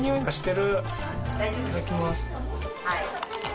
いただきます。